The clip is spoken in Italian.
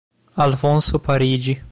Alfonso Parigi